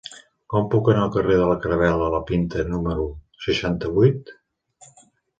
Com puc anar al carrer de la Caravel·la La Pinta número seixanta-vuit?